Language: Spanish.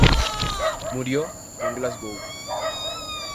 Murió en Glasgow.